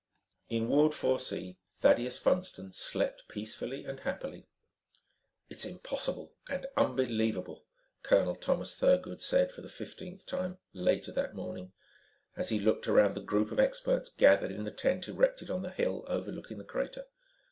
In Ward 4 C, Thaddeus Funston slept peacefully and happily. "It's impossible and unbelievable," Colonel Thomas Thurgood said for the fifteenth time, later that morning, as he looked around the group of experts gathered in the tent erected on the hill overlooking the crater.